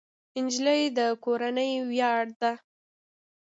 نجلۍ د کورنۍ ویاړ ده.